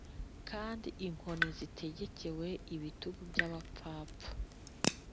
kandi inkoni zitegekewe ibitugu by’abapfapfa